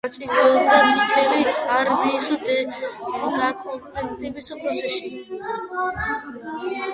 მონაწილეობდა წითელი არმიის დაკომპლექტების პროცესში.